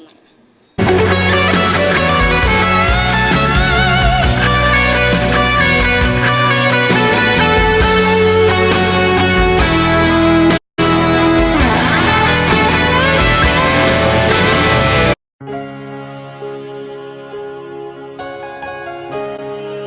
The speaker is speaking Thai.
ก็ไม่มีความผิดของพี่แหลม